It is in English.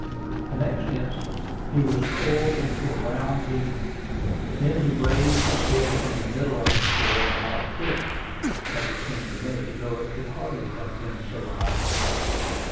The next instant he was coiled into a round heap. Then he raised his head from the middle of the coil about a foot, as it seemed to me, though it could hardly have been so high.